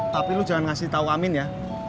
tapi lu jangan ngasih tahu amin ya